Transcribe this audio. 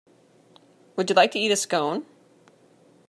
Would you like to eat a Scone?